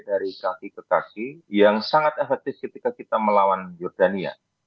dari kaki ke kaki yang sangat efektif ketika kita melawan jordania